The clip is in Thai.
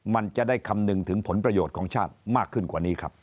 มันจะได้คำนึงถึงผลประโยชน์ของชาติมากขึ้นกว่านี้ครับ